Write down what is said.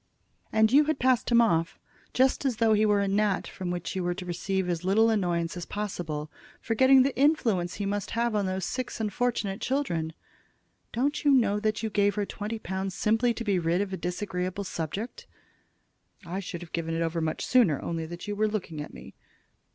"And you had passed him off just as though he were a gnat from which you were to receive as little annoyance as possible, forgetting the influence he must have on those six unfortunate children. Don't you know that you gave her that twenty pounds simply to be rid of a disagreeable subject?" "I should have given it ever so much sooner, only that you were looking at me."